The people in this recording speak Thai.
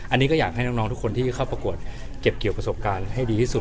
อันนี้ก็อยากให้น้องทุกคนที่เข้าประกวดเก็บเกี่ยวประสบการณ์ให้ดีที่สุด